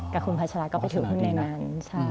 กับคุณพัชราก็ไปถือหุ้นในนั้น